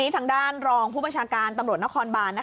ทางด้านรองผู้บัญชาการตำรวจนครบาน